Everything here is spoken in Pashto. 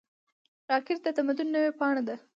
راکټ د تمدن نوې پاڼه ده